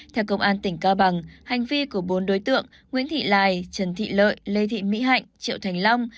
theo công an tỉnh cao bằng hành vi của bốn đối tượng nguyễn thị lài trần thị lợi lê thị mỹ hạnh triệu thành long